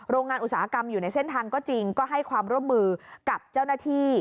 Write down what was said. โรงงานอุตสาหกรรมอยู่ในเส้นทางก็จริงก็ให้ความร่วมมือกับเจ้าหน้าที่